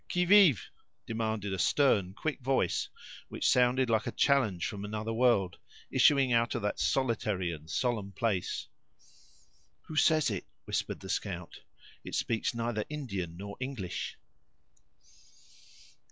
"Qui vive?" demanded a stern, quick voice, which sounded like a challenge from another world, issuing out of that solitary and solemn place. "What says it?" whispered the scout; "it speaks neither Indian nor English."